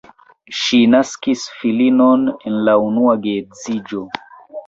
Ŝi naskis filinon en la unua geedziĝo.